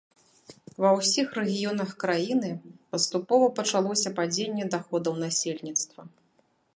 Ва ўсіх рэгіёнах краіны паступова пачалося падзенне даходаў насельніцтва.